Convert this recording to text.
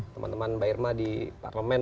teman teman mbak irma di parlemen